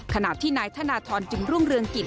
ขณะที่นายธนทรจึงรุ่งเรืองกิจ